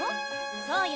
そうよ。